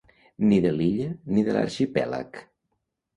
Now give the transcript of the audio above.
Ni de l'illa ni de l'arxipèlag.